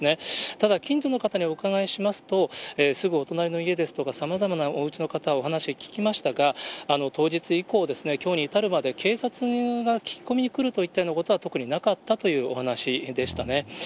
ただ近所の方にお伺いしますと、すぐお隣の家ですとか、さまざまなおうちの方、お話聞きましたが、当日以降、きょうに至るまで、警察が聞き込みに来るといったことは、特になかったというお話でしたね。